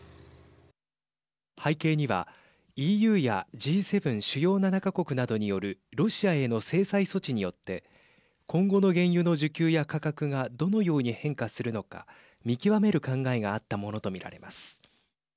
背景にはＥＵやＧ７＝主要７か国などによるロシアへの制裁措置によって今後の原油の需給の価格がどのように変化するのか見極める考えがあったものと見られます。